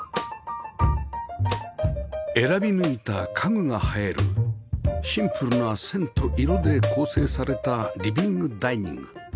選び抜いた家具が映えるシンプルな線と色で構成されたリビングダイニング